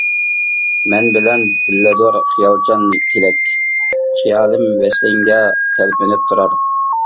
مەن بىلەن بىللىدۇر «خىيالچان تىلەك» ، خىيالىم ۋەسلىڭگە تەلپۈنۈپ تۇرار.